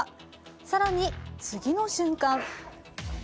更に、次の瞬間！